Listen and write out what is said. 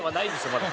まだ。